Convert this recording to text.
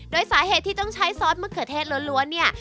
โดยสาเหตุที่ต้องใช้ซอสมะเขือเทศล้วนเนี่ย